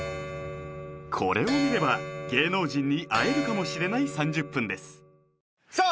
これを見れば芸能人に会えるかもしれない３０分ですさあ